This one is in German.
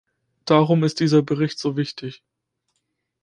Darum ist dieser Bericht so wichtig.